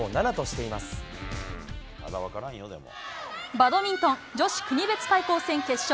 バドミントン女子国別対抗戦決勝。